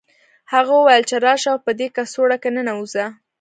هغه وویل چې راشه او په دې کڅوړه کې ننوځه